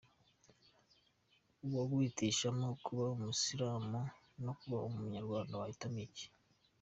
‘uwaguhitishamo kuba umusilamu no kuba umunyarwanda wahitamo iki?